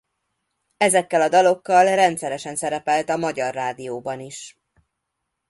Ezekkel a dalokkal rendszeresen szerepelt a Magyar Rádió-ban is.